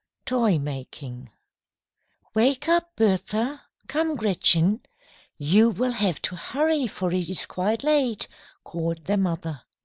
TOY MAKING "WAKE up, Bertha. Come, Gretchen. You will have to hurry, for it is quite late," called their mother.